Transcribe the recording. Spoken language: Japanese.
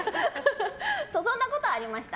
そんなことありました。